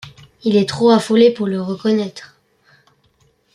Il est trop affolé pour le reconnaître...